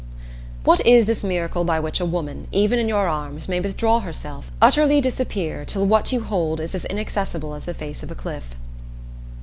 What is this miracle by which a woman, even in your arms, may withdraw herself, utterly disappear till what you hold is as inaccessible as the face of a cliff?